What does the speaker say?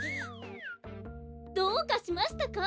どうかしましたか？